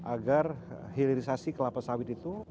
agar hilirisasi kelapa sawit itu